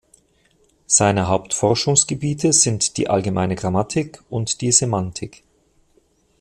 Seine Hauptforschungsgebiete sind die allgemeine Grammatik und die Semantik.